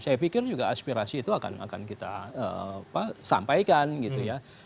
saya pikir juga aspirasi itu akan kita sampaikan gitu ya